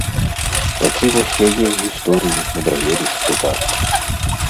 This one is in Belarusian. Такі вось яе, гісторыі, мудрагелісты жарт.